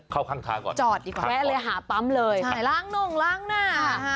เข้าข้างทางก่อนจอดดีกว่าแวะเลยหาปั๊มเลยล้างน่งล้างหน้า